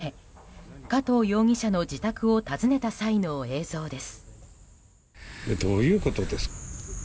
これは逮捕前、加藤容疑者の自宅を訪ねた際の映像です。